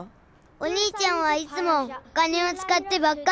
お兄ちゃんはいつもお金をつかってばっかり。